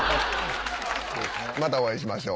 またお会いしましょう。